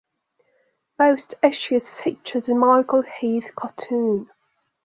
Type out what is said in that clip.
Most issues featured a Michael Heath cartoon.